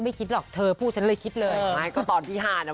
พี่เอ้คนใต้บ้านเราเขาใช้ทองแดงพลัดบ้าง